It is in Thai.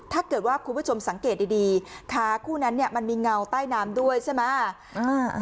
ถ้าเกิดว่าคุณผู้ชมสังเกตดีดีขาคู่นั้นเนี่ยมันมีเงาใต้น้ำด้วยใช่ไหม